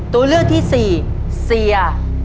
ตัวเลือกที่๔เสีย